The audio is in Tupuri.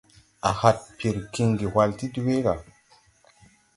A had pir kiŋgi hwal ti dwee ga.